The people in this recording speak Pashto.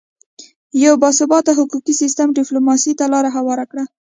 یو باثباته حقوقي سیستم ډیپلوماسي ته لاره هواره کړه